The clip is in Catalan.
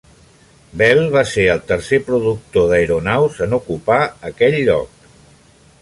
Bell va ser el tercer productor d'aeronaus en ocupar aquell lloc.